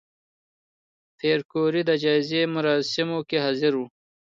پېیر کوري د جایزې مراسمو کې حاضر و.